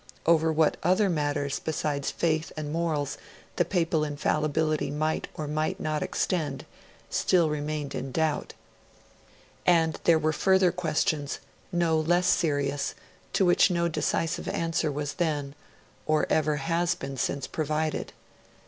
Over what OTHER matters besides faith and morals the Papal infallibility might or might not extend still remained in doubt. And there were further questions, no less serious, to which no decisive answer was then, or ever has been since, provided.